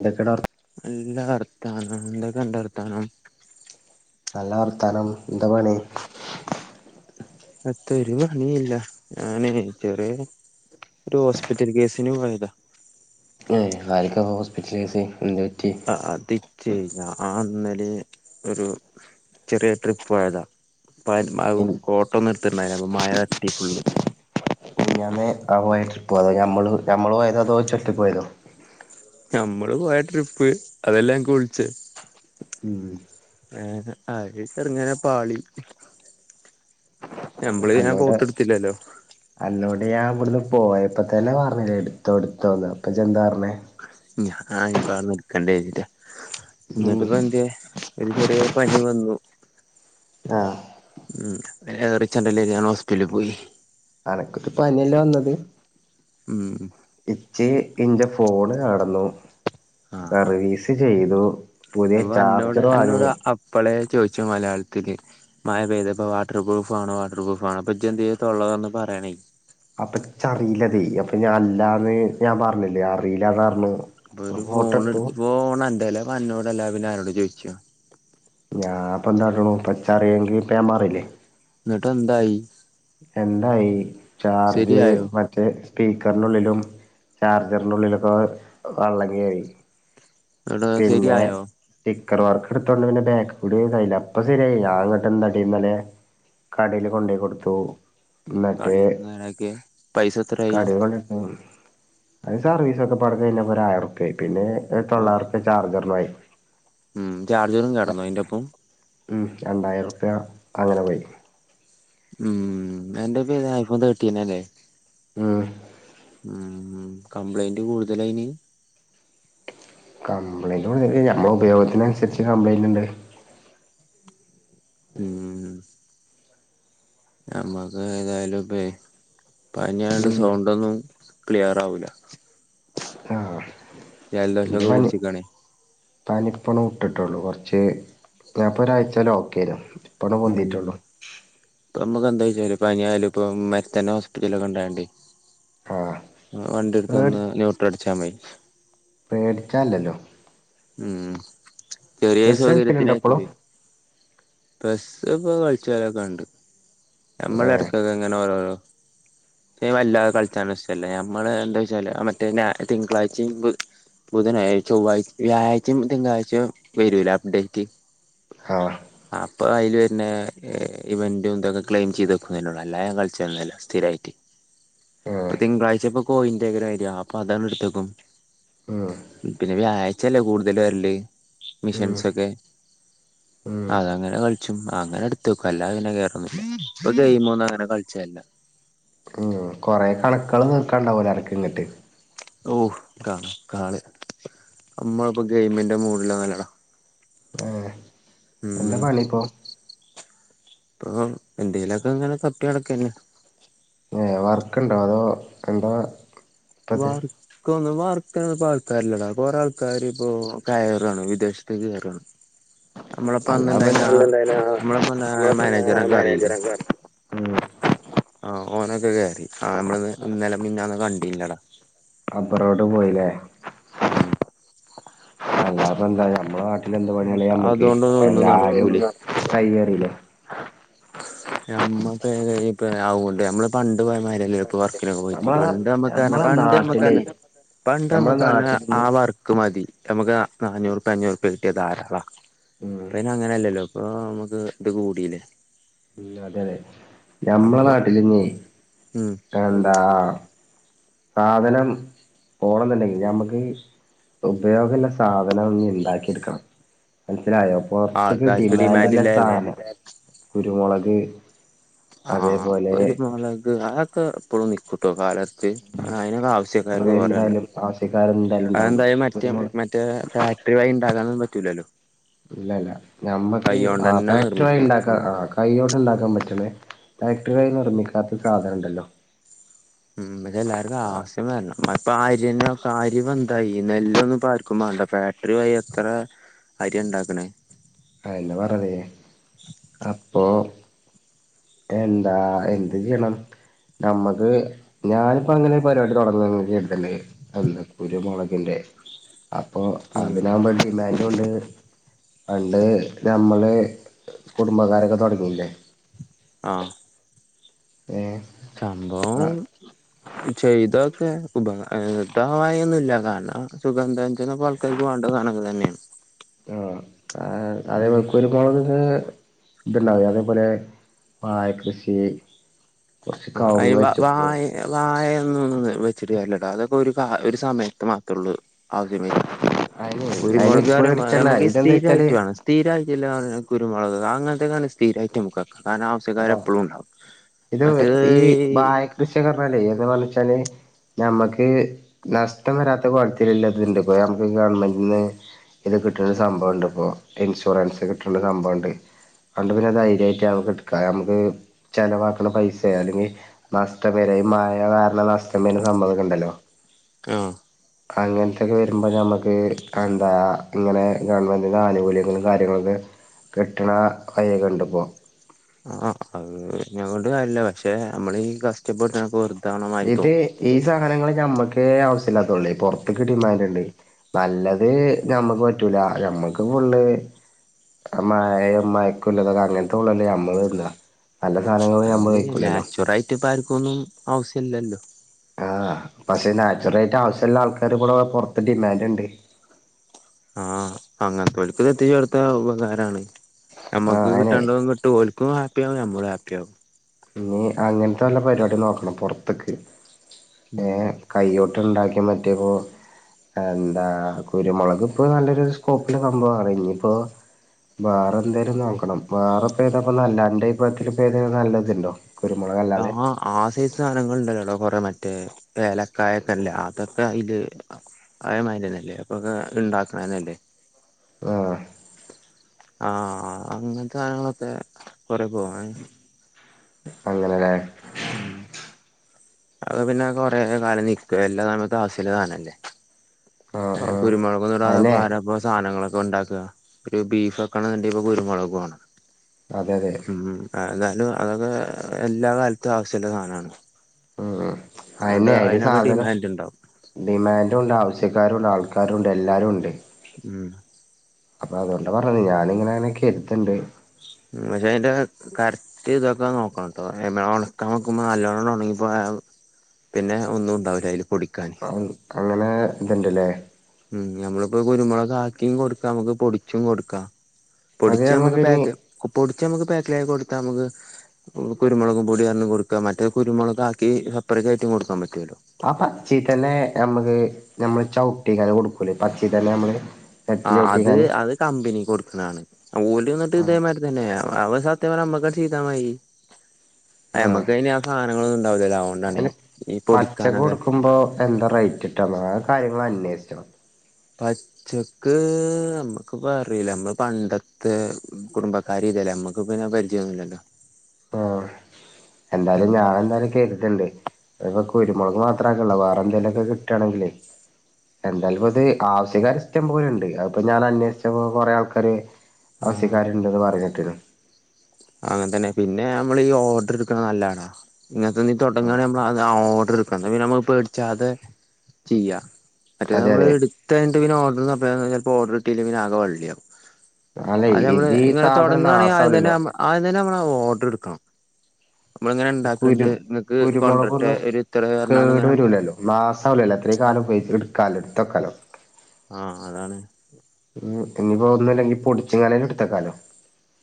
എന്തക്കടാ വർ എല്ല വർത്താനം എന്തൊക്കെണ്ട് വർത്താനം നല്ല വർത്താനം എന്താ പണി. എത്ത ഒര് പണീല്ല. ഞാനേ ചെറ ഒരു ഹോസ്പിറ്റൽ കേസിന് പോയതാ. ഏഹ്, ആർക്കാ ഇപ്പൊ ഹോസ്പിറ്റൽ കേസ് എന്താ പറ്റിയത്? അതിച്ചേ ഞാൻ ഇന്നലെ ഒരു ചെറിയ ട്രിപ്പ് പോയതാ. [unintelligible] കോട്ട ഒന്നും എടുത്തിുണ്ടായി അപ്പ മഴ അത്തി ഫുള്. ഞാന് ആയിട്ട്രി പോതോ ഞമ്മള് ഞമ്മൾയതോ അതോ ചെട്ടി പോയതോ? നഞമ്മള് പോയ ട്രിപ്പ് അതെല്ലേ എക് വിളിച്ചേ? ഉം ഏ ആകെ ചെറങ്ങനെ പാളി. എമ്മളി ഞാൻ അന്നോട് കോട്ട്ടുത്തില്ലല്ലോ? അന്നോട് ഞാൻ ഇവിടുന്ന് പോയ പ്പ തന്നെ പറഞ്ഞില്ലേ എടുത്തോ എടുത്തോന്ന് അപ്പ ജ് എന്താ പറഞ്ഞേ? ഞ്യാ പ്പ റന്ന നിക്കണ്ടേ കഴ്തിയ ഉം എന്നിട്ടിപ്പ എന്ത്യേ ഒരു ചെറിയ പനി വന്നു. ആഹ് ഉംഎ റിച്ചാണ്ടല്ലേ ഞാൻ ഹോസ്പിറ്റലിൽ പോയി അനക്കുട്ടിപ്പ നല്ലേ വന്നത് ഉം. ഇച്ചി ഇന്റേ ഫോണ് കടന്നു ആഹ് സർവീസ് ചെയ്തു പുതിയ ചാർജർ വാങ്ങി. ഇ പ്പളേ ചോദിച്ചോ മലയാളത്തില്. മഴ പെയ്ത്പ്പപ്പോ വാട്ടർ പ്രൂഫ് ആണോ വാട്ടർ പ്രൂഫ ആണോ അപ്പൊ ജന്തിയ തുള്ളള്ളതന്ന് പറയണേ. അപ്പൊ ചറിയില്ലതെ അപ്പൊ ഞൻ അല്ലാന്ന് ഞാൻ പറഞ്ഞില്ലേ അറിയില്ലന്ന റഞ്ഞു. അ വരു ഫോൺ എടുത്ത് പോണം എന്തല്ല പറഞ്ഞോടല്ല പിന്നെ ആരോട് ചോദിച്ചു? ഞാൻപ്പ എന്താട്ടണു പച്ചാറിയെങ്കി പേൻമാറില്ലേ? എന്നിട്ട് എന്തായി? എന്തായി ചാർജ് ശരിയായോ പക്ഷേ സ്പീക്കറിനുള്ളിലും ചാർജറിൻ്റെുള്ളിലൊക്കെ വള്ളങ്ങിയായി. എന്നിട്ട് പിന്നെ? ശരിയായോ സ്റ്റിക്കർ വർക്ക് എടുത്തോണ്ട് പിന്നെ ബാക്ക് കൂടി കയ്ല്ല അപ്പൊ ശരിയായി അങ്ങോട്ട് എന്തടന്നല്ലെ. കടയില് കൊണ്ടപോയി കൊടുത്തു. എന്നട്ട് കടേന്ന് നേരാക്കിയ പൈസ എത്രായി കട കൊണ്ട് അത് സർവീസ ഒക്കെ പട കഴിഞ്ഞപ്പോ ഒരായിറുപ്പിയാ യി പിന്നെ ഔ തൊള്ളായിരം രൂപ ചാർജർന് ഉം ചാർജറും കിടന്നു അയിന്റൊ പ്പം. ഉം രണ്ടായിരറുപ്പ്യാ അങ്ങനെ പോയി. ഉം ന്റെപേര്യഐഫോൺ തേട്ടീനല്ലേ? ഉം ഉം കംപ്ലൈന്റ് കൂടുതലായിന്? കംപ്ലയിൻറ് കൊടു നമ്മ ഉപയോഗത്തിനുസരിച്ച് കംപ്ലയിന്റ് ഉണ്ട്. ഉം. നമ്മക്ക് ഏതായാലും ഇപ്പേ പനിണ്ട് ഉം സൗണ്ടൊന്നും ക്ലിയർ ആവൂല. ആഹ്. ജല്ദോശക്ക പിടിച്ചിക്കണി- പനിപ്പൊന്ന്ഒക്കെട്ടുള്ളൂ കൊറച്ച് ഞാൻപ്പൊ ഒരാഴ്ച്ചേല ഓക്കേരുന്നു. ഉം ഇപ്പ നമുക്ക്ന്താെച്ച ഇപ്പ പനിയായലുപ്പൊഅപ്പത്തന്നേ ഹോസ്പിറ്റലക്കൊണ്ടോണ്ടേ? ആഹ് വണ്ടി ഇട്ത്ത് പേടി വന്ന് ന്യൂട്ര അടിച്ചാമതി പേടിച്ചാല്ലല്ലോ? ഉം ചെറിയ ബസ് കളിക്കലുണ്ടോ സൗകര്യാത്തിന്നായിക്ക ഇപ്പളും പ്ലസ്ടുപ്പോ പഠിച്ചോരൊക്കെണ്ട് നമ്മൾ ഏഹ് ഇടക്കക്ക എങ്ങനെ ഓരോ ഓരോ [inaudible] ദേവല്ലാതെ കളിച്ചാണ് ഷ്ടല്ല നമ്മള് എന്താ വെച്ചാല് മറ്റേ തിങ്കളാഴ്ച്ചയും ബുധനാഴ്ച ചൊവ്വാഴ്ച വ്യാഴ്ച തിങ്കാഴ്ച വരൂല അപ്ഡേറ്റ് ആഹ് അപ്പൊ അയ്ൽ വരുന്നെ ഇവന്റും ഇന്തൊക്കെ ക്ലെയിം ചെയ്ത് വെക്കുന്നള്ളൂ അല്ലാതെ ഞൻ കളിച്ച തന്ന സ്ഥിരമായിട്ട് ഏഹ് ഇപ്പൊ തിങ്കളാഴ്ചപ്പോ കോയിന്റെരായിയ അപ്പൊ അതണ്ട് എടുത്തേക്കും ഉം പിന്നെ വ്യാഴാ ചില കൂടുതൽ വരല്ല് ഉം മിഷൻസൊക്കെ ഉം അത അങ്ങനെ കളിച്ചും അങ്ങനെ എടുത്തേക്ക അല്ലാ അതിനെ കേറ ഇപ്പൊ ഗെയിമൊന്നും അങ്ങനെ കളിച്ചല്ല ഉം കൊറെേ കണക്കൾ നോക്കാണ്ടാവല അനക്ക് ഇങ്ങട്ട് ഓഹ് കണക്കാള് നമ്മളിപ്പോ ഗെയിമിന്റെ മൂഡിലന്നല്ലടാ ഏഹ് ഉം എന്താ പണിയിപ്പോ ഇപ്പൊ എന്തെലൊക്കെ ഇങ്ങനെ കപ്പി അടക്കന്നെ ഏ വർക്ക്ണ്ടോ അതോ എന്തോ വർ ഇക്കന്ന വർക്കിനൊന്നുപ്പ ആൾക്കാരിലടാ കൊറേ ആൾക്കാര് ഇപ്പോ കയറാണ് വിദേശത്തേ കയറാണ് [inaudible] നമ്മളപ്പ അല്ല അന്നുണ്ടായിന പിന്ന എന്തായാല നമ്മളപ്പ നമ്മള പിന്നെ മാനേജറൊക്കെ മാനേജർക്കെ ആഹ് ഓനൊക്കെ കയറി ആഹ് നമ്മള് ഇന്നലെ മിന്നന്നും കണ്ടില്ലടാ അബറോഡ് പോയില്ലേ ഉം അല്ലാപ്പന്താ നമ്മളെ നാട്ടിൽ എന്ത് പണിളയാ നമ്മക്ക് അതുകൊണ്ടൊന്നും ഒന്നും എല്ലാരും നടക്കൂലേ ടൈലറില്ലേ അമ്മക്കപ്പ ആവണ്ട് നമ്മള പണ്ട് പോയമാരല്ലോ ഇപ്പ വർക്കിലൊക്കെ പോയിട്ട് നമ്മളെ പണ്ട് നമ്മക്ക് നമ്മളെ പണ്ട് നമ്മക്കർ നാട്ടിലെ ഞ്ഞ നമ്മളെ പണ്ടമക്കാണ് നാട്ടിലിന്ന് ആഹ് വാർക്ക് ക്ക് മതി നമുക്ക് നാനൂറ്പ്പ അഞ്ഞൂറ്പ്പ കിട്ടിയ ധാരാളം ഉം പിന്നെ അങ്ങനെയല്ലല്ലോ ഇപ്പേ നമ്മക്ക് ഇത് കൂടീലെ. ഉം അതെ ഞമ്മള അപ്പൊ നാട്ടില്ഞ് ഉം എന്താ? സാധനം പോണെന്നുണ്ടെങ്കിൽ ഞമ്മക്ക്. ഉപയോകള്ള സാധനം ഞി ണ്ടാക്കി എടുക്കണം. മനസ്സിലായോ. പൊർത്ത്ക്ക് ആൾക്കാർക്ക് ഡിമാൻഡ് ഡിമാൻ്റ്ല്ല ഇല്ലാല്ലേ സാധനെല്ലെ കുരുമെളക്. ആഹ് ഒരുചെൽപമൂലക്ക് അതൊക്കെ ഇപ്പളും നിക്കുട്ടോ കാലാ അയ്നിവ്ടെ ആവിശ്യക്കാർ തേനെണ്ട് എന്തായാലും ആവശ്യക്കാരെന്തായാലും ഉണ്ടാവും അഎന്തായി മറ്റ് ഒരുമ മറ്റേ ടാ ഒരു വയിണ്ടാകാനെന്നും പറ്റൂലല്ലോ. ല്ല, ല്ല, ഞമ്മക്ക് ആ കൈയ്യോണ്ടന്നെ ഫാക്ടറി നിർമ്മിക്കണം വഴിണ്ടാക് അ ആഹ് കയ്യേണ്ട്ണ്ടാക്കാൻപറ്റ്ണെ ഫാക്ട്റി വയി നിർമ്മിക്കാത്ത സാധനണ്ടല്ലോ. [unintelligible] പ്പാര്യന്നെ സാരിമെന്തായി നെല്ലെന്നുപ്പാർക്കുംവേണ്ട. ഫാക്ടറി വഴി എത്ര. അരിയാ ണ്ടാക്കണേ. അയിന് പറവെ അപ്പൊ. എന്താ.. എന്ത് ചെയ്യെണം. നമ്മക്ക് ഞാനിപ്പങ്ങനെ ഒരു പരിപാടി തെടർന്നങ്കി ട്ടന്നെ. എല്ല കുരുമെളകിന്റെ അപ്പൊ ഉം അതിനാവേണ്ടി. നെല്ലുണ്ട് പണ്ട് നമ്മള് കുടുംബക്കാരൊക്കെ തുടങ്ങില്ലേ. ആഹ് ഏഹ്. സംഭവം. ചെയ്തൊക്കെ ഉപക തമായെന്നുല്ല കാണം സുഗന്ധഞ്ചനപ ക്കെൻക്ക് വാണ്ട സാനങ്ങളെ ന്നെണ്. എം ആഹ് ഉം അതെപേലക്കെരു. മെളക് ത് ത്ണ്ടാവൂലെ അതേപോലെ വായ കൃഷി. കൊർച്ച് കവ്ങ്ങ് വെച്ച്ക്കു. വായെന്നും ന്ന് വെച്ചിട്ട് കാരൃല്ലെടാ അതൊക്കെ ഒരുകാ ഒരു സമയത്ത് മാത്രേള്ളൂ ആവിശ്യം വെരാ. അയ്ന് അയ്നിജി പേടിച്ചെല്ലെ ഇതെന്തെച്ചാല്. സ്ഥീരായിട്ട്ള്ളതാണ് കുരുമുളക് അങ്ങെൻത്തെക്കാണ് സ്ഥീരായിട്ടമ്മക്ക ആഹ് ആനാവിശ്യക്കാരെപ്പളു ണ്ടാവും മറ്റേതെയ് ദൃശ്യകർണാലെ എന്ത് വർണിച്ചാല്. ഞമ്മക്ക് നഷ്ടം വെരാത്ത കേലത്തില് ല്ലത്ണ്ട് നമ്മക്ക് ഗവൺമെന്റിന്ന്. ഇത് കിട്ട്ണ ഒരുസംഭവണ്ട്പ്പോ. ഇൻഷുറൻസ് കിട്ട്ണ സംഭവണ്ട്. ആണ്ട് പിന്നെ ധൈര്യയിട്ട് നമ്മക്ക്ട്ക്കാ നമ്മക്ക് ചെലവാക്ക്ണ പൈസ അല്ലെങ്കി. നഷ്ടംവെരെ, ഈ മയകാരണം നഷ്ടം വരുന്ന സംഭവക്കെണ്ടല്ലോ. ആഹ് [inaudible] അങ്ങനത്തൊക്കെ വരുമ്പോ ന മ്മക്ക് എന്താ, ഇങ്ങനെ ഗവണ്ൺമെൻ്റിൻ്റെ ആനുകൂല്യങ്ങളും കാര്യങ്ങളൊക്കെ കിട്ട്ണ വയ്യെക്കെണ്ട്പ്പോ. ആഹ് അത് ഞ കൊണ്ട് കാരൃല്ല പക്ഷെ ഞമ്മളീ കഷ്ടപെട്ണതെക്കെ വെർ ഇത് ഈ സാധനങ്ങള് നമ്മക്കെ ആവശ്യല്ലാത്തതെള്ളൂ പെർത്ത്ക്ക് ഡിമാൻ്റ്ണ്ട്. നല്ലത് ഞമ്മക്ക് പറ്റൂല ഞമ്മക്ക് ഫുള്ള്. ആ മയ മയക്കുള്ളതൊക്കെ അങ്ങൻതുള്ളല്ലേ നമ്മള്ന്നാ നല്ല സാധനങ്ങള് നമ്മള് കഴിക്കൂലല്ലോ. ത്പാര്ക്കൊന്നും ആവശ്യല്ലല്ലേ. ആഹ് പക്ഷെ നാച്ചുറായിട്ട് ആവിശ്യള്ള ആൾക്കാറ് കൂടെ പെർത്ത് ഡിമാൻ്റ്ണ്ട്. ആഹ് അങ്ങെൻത്തേൽക്ക് തെത്തിച്ചേട്ത്താ ഉപകാരാണ് ആ നമ്മക്ക് അങ്ങനെ കിട്ടെണ്ടതും കിട്ടും ഓൽ ലും ഹപ്പിയാവും ഞമ്മളും ഹാപ്പിയാവും ഞി അങ്ങൻത്തെ വല്ല പരിപാടിം നോക്കെണം പെർത്ത്ക്ക്. ഉം കയോട്ട്ണ്ടാക്കൃ മറ്റെപ്പോ. എന്താ കുരുമുളക് ഇപ്പൊ നല്ലൊരു സ്കോപ്പില് സംഭവമാണ് ഇനിയിപ്പോ വേറെ എന്തായാലും നോക്കണം വേറെ ഏതപ്പ നല്ല രന്റെ ഇപ്രായത്തിപ്പ ഏതും നല്ലതുണ്ടോ കുരുമുളക് അല്ലാതെ ആഹ് ആശയി സാധനങ്ങളൾ ഉണ്ടല്ലോല്ലോ കൊറെേ മറ്റേ വഏലക്കായക്കെല്ലേ അതൊക്കെ അയ്ല് അതേമാതിന്നല്ലേ അപ്പൊ ഉണ്ടാക്കണന്നല്ലേ ആഹ് ആഹ അങ്ങനത്തെ കധങ്ങളൊക്കെ കൊറെ പോവാ അങ്ങനെല്ലേ അത് പിന്നെ കൊറെ കാലം നൽക്ക എല്ലാ സമത്ത് അസല സാനല്ലേ ആഹ് ആഹ് കുരുമുളകൊന്ന് അയിനെ അരപ്പോ സാധനങ്ങളൊക്കെ ഉണ്ടാക്ക ഒരു ബീഫ് ഒക്കണുണ്ടെങ്ക ഇപ്പൊ കുരുമുളക് പോേണം അതെ അതെ ഉം എന്നാലും അതൊക്കെ എല്ലാ കാലത്തും ആവശ്യമുള്ള സാധനമാണ് അന്നെ അയ്‌ന്റെ അതിനൊക്കെ സാധനം ഡിമാൻഡ് ഉണ്ടാവും ഡിമാന്റുണ്ട് ആവശ്യക്കാരുണ്ട് ആൾക്കാരുണ്ട് എല്ലാവരു ഉണ്ട് ഉം അപ്പൊ അതുകൊണ്ട് പറഞ്ഞത് ഞാനിങ്ങനെ അങ്ങനൊക്കെ എടുത്തണ്ട് പക്ഷേ ഇത് കറക്റ്റ് ഇതൊക്കെ നോക്കണം കേട്ടോ എ ഉണക്കാൻ നോക്കുമ്പോ നല്ലോണം ഉണങ്ങിപ്പോ പിന്നെ ഒന്നും ഉണ്ടാവില്ല അതില് പൊടിക്കാൻ അങ്ങനെ ഇത്ണ്ട്ലേ ഉം നഞമ്മളിപ്പോൊ കുരുമുളകക്കിയും കൊടുക്കാ നമുക്ക് പൊടിച്ചും കൊടുക്കാം അത് പൊടിച്ച് നമക്ക് നമ്മക്ക് ഇനി പക്ക് പൊടിച്ച നമക്ക് പാക്കല കൊടുത്താ അമക്ക് കുരുമുളകും പൊടിറിണം കൊടുക്ക മറ്റേ കുരുമുളക് ആക്കി സപ്പറേറ്റ് ആട്ടും കൊടുക്കാൻ പറ്റുമല്ലോ ആ പച്ചയി തന്നെ നമ്മക്ക് നമ്മള് ചവിട്ടി കൊടുക്കൂല പച്ചി തന്നെ നമ്മള് ചട്ടി ആ അത് ചവിട്ടിക്കാന് അത് കമ്പനി കൊടുക്കുന്നതാണ് ഓലന്നിട്ട് ഇതേമാതിരി തന്നെ അവ സത്യം പറ അമ്മക്കൾ ചീതാമായി നമുക്ക് കനി ആ സാധനങ്ങളൊന്നും ഉണ്ടാവില്ലലോ അന് പച്ചക്ക കൊടുക്കുമ്പോ എന്താ റേറ്റ് കട്ടോ എന്ന കാര്യങ്ങ അന്വേഷിച്ച പ ച്ചെക്ക് നമ്മുക്ക് പറല്ല നമ്മൾ പണ്ടത്തെ കുടുംബക്കാര് ഇതല്ല നമ്മുക്ക് അ പിന്നെ പരിചയന്നില്ലല്ലോ ആഹ് ഉം എന്താലും ഞാൻ എന്തായാലും കേട്ടിട്ടുണ്ട് ഇ കുരുമുക് മാത്രമാക്കള്ള വേറെന്തേലുക്കെ കിട്ടയാണെങ്കേ എന്തായാലും അത് ആവസ്യകാര് ഇഷ്ടം പോല ഉണ്ട് അതിപ്പോ ഞാൻ അന്വേഷിച്ചപ്പോ കൊറെേ ആൾക്കാര് ആഹ് അവസ്യക്കാരുണ്ടെന്ന് പറഞ്ഞിട്ടരുന്നു അങ്ങനെ തന്നെ പിന്നെ നമ്മൾ ഈ ഓർഡർ എടുക്കണ നല്ലാടാ ഇങ്ങനത്തെന്ന ആഹ് തുടങ്ങയാണെ ഓർഡർടുക്ക പിന്നെ നമ്മപേടിചതെ ചെയ്യ മറ്റേ അതെ അതെ നമ്മള് ഇ പിന്ന ഓർഡ്പ്പോ ഓഡർ ഇട്ടേ പിന്നെ വള്ളിയാവും അല്ലെ ആത് നമ്മള് ഇത് ഈ ഇങ്ങനെ സാധനം തുടങ്ങണെങ്കി ആദ്യം തന്നെ നാസാവില്ലല്ലോ ആ തന്നെ നമ്മള് ഓർഡർ എടുക്കണം നമ്മളി ഇങ്ങനെ ഈ കുരു ഇണ്ടാക്കണ്ട് നിങ്ങക്ക് കൊണ്ടരട്ടെ ഒരു ഇത്തവ കറണാണ് ഇങ്ങനെ നമ്മ ഗ്ലാസലല്ലോ അത്രയും കാല പോയ കാല എടുത്തോക്കാലോ ആഹ് അതാണ് ഇഞ് പ്പോ ഒന്നുംല്ലെങ്കി പൊടിച്ചെങ്ങാലും ഇടുത്തക്കാലോ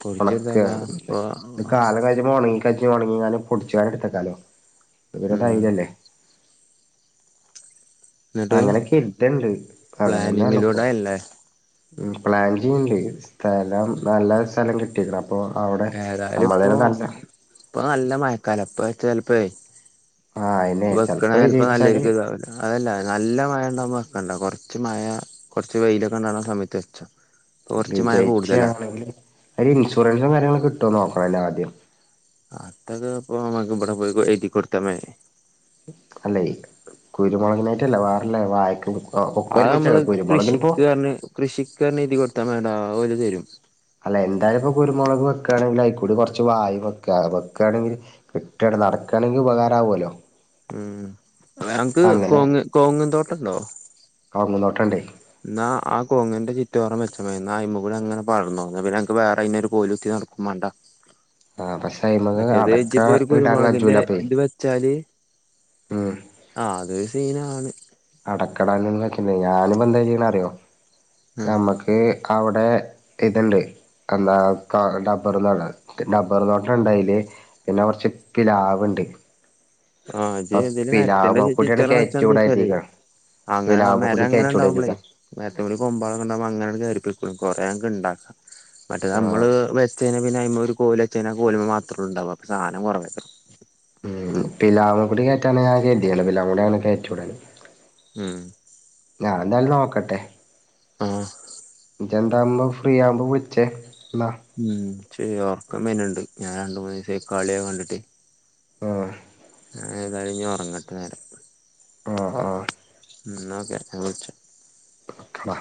പൊടിച്ചരുതതാ ഇ മുണങ്ങി കു മുണങ്ങിങ്ങനെ പൊടിച്ചുരെ എടുത്തക്കാലോ ഇവ ഉം തൈലല്ലേ എന്നിട്ട് അങ്ങനെക്കെ കിട്ടണ്ട് അത തന്നെയണപ്പോ പ്ലാനിങ്ങിലൂടെ അല്ലേ ഉം പ്ലാൻ ചെയ്യണ്ട് സ്ഥലം നല്ല സ്ഥലം കിട്ടിരിക്കണം അപ്പോ അവടെ നമ്മളരെ തല് ഇപ്പ നല്ല മഴക്കാലം അപ്പ ചിലപ്പോ ആഹ് അയിനെ വെക്കണ ചെലപ്പോ ചിലപ്പോ നല്ലരു വിജയിച്ചാല് കതവല്ല അതല്ല നല്ല മഴണ്ടവുമ്പൊ വെക്കണ്ട കൊർച്ച് മഴ കൊർച്ച് വെയ്ലൊക്കെണ്ടാവ്ണ സമയത്ത് വെച്ചൊ വിജയ്ച്ചാണെങ്കി ഒര്ൻഷുറൻസും കാര്യങ്ങളൊക്കെ കിട്ടോ നോക്കണല്ലൊ ആദ്യം അതൊക്കെപ്പൊ നമ്മക്ക്ബടെ പോയി എയ്തി കൊട്ത്താ മേ അല്ലയ് കുരുമുളകിനായിട്ടല്ല വേറല്ലെ വായക്കും ഒക്കെ അത് ഒരുമിച്ചക്ക നമ്മള് കുരുമുളകിനിപ്പോ കൃഷിക്ക് പറഞ്ഞ് കൃഷിക്ക് പറഞ്ഞ് എയ്തി കൊട്ത്താ മതിയെടാ ഓല് തരും. അല്ല എന്തായാലുപ്പൊ കുരുമുളക് വെക്കാണെങ്കിൽ അയ്ക്കൂടി കൊർച്ച് വാഴിം വെക്ക വെക്കാണെങ്കില് കിട്ടാണെ നടക്കാണെങ്കി ഉപകാരാവോലോ ഉം അൻക്ക് കോങ്ങ് കോങ്ങും തോട്ടംണ്ടോ? കൗങ്ങും ത്തോട്ടണ്ടെയ് ഇന്നാ ആ കൗങ്ങിന്റെ ചുറ്റോറും വെച്ചാ മതി ഇന്നാ അയ്മക്കൂടങ്ങനെ പടർന്നോളും ഇന്നാ പിന്നൻക് വേറയ്നൊരു കോലുത്തി നടക്കും മാണ്ട. ആഹ് പക്ഷയ്മക്ക് മറ്റേത് അടക്ക ഇജ്ജിപ്പോ ഒരു ഇടാൻ കുരുമുളകിന്റെ കജ്ജൂലപ്പൊയ് ഇത് ആഹ് അതൊരു സീനാണ് അടക്കടാനൊന്നും പറ്റൂലെയ് ഞാനിപ്പെന്താ ചെയ്യ്ണറിയോ? ഉം നമ്മക്ക് അവ്ടെ ഇത്ണ്ട് എന്താ ക ഡബ്ബർ തോട്ട ഡബ്ബർ തോട്ടണ്ടയ്ല് പിന്നെ കൊർച്ച് പ്ലാവ്ണ്ട്. ആഹ് ഇജേതേലും മരത്തിന്റെ ചു പിലാമക്കുട്ടിയാണ് ചുറ്റോറം വെച്ചാ മതിയെച്ചാല് കയറ്റൂടായിരിക്ക അങ്ങനെ പിലാമക്കുട്ടി കയറ്റൂടായിരിക്ക മരങ്ങനെണ്ടാവുമ്പളെയ് മാരത്ത്മ്മല് കൊമ്പോളൊക്കെണ്ടാവുമ്പൊ അങ്ങനാണ്ട് കയറിപ്പൊയ്ക്കോളും കുറേ അൻക്ക്ണ്ടാക്ക ആഹ് മറ്റേതമ്മള് വെച്ചെയ്‌ന പിന്നയ്മെ ഒര് കോല് വെച്ചയ്ഞാ കോല്‌മ്മെ മാത്രൊള്ളുണ്ടാവ അപ്പൊ സാനം കൊറവയ്ക്കാരം. ഉം പിലാവ്മക്കൂടി കേറ്റാണ് ഞൻ കര്തീണ് പിലാവ്മ്മക്കൂടങ്ങനെ കയറ്റി വിടാന് ഉം ഞാനെന്തായാലും നോക്കട്ടെ ആഹ് ഇജെന്താന്ന് ഫ്രീ ആവുമ്പെ വിൾച്ചെ ഇന്നാ ഉം ശര്യാ ഒർക്കം വര്ന്ണ്ട് ഞാൻ രണ്ട് മൂന്നീസായി കളിയൊക്കെ കണ്ടിട്ടെ ആഹ് ഞാനേതായാലുഞ്ഞ് ഒർങ്ങട്ടെ നേരെ ആഹ് ആഹ് ഇന്നാ ഓക്കെ ഞാൻ വിൾച്ച ഓക്കെടാ